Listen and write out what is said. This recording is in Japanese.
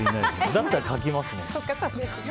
だったら書きますもん。